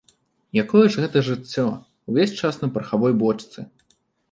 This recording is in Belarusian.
Якое гэта жыццё, увесь час на парахавой бочцы!